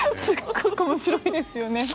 すごく面白いですよね。